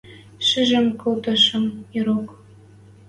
Шижӹн колтышым — ирок.